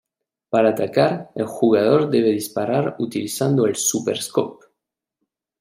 Para atacar, el jugador debe disparar utilizando el Super Scope.